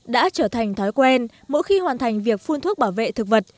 đã trở thành thói quen mỗi khi hoàn thành việc phun thuốc bảo vệ thực vật